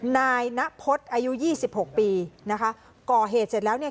นายนพฤษอายุยี่สิบหกปีนะคะก่อเหตุเสร็จแล้วเนี่ย